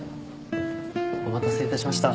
お待たせいたしました。